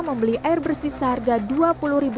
membeli air bersih seharga rp dua puluh